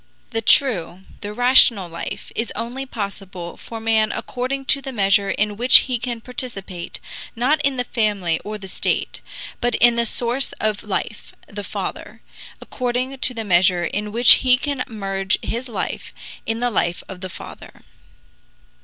The true, the rational life is only possible for man according to the measure in which he can participate, not in the family or the state, but in the source of life the Father; according to the measure in which he can merge his life in the life of the Father.